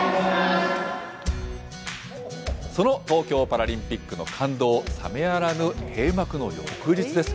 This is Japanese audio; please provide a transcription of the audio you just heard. その東京パラリンピックの感動冷めやらぬ、閉幕の翌日です。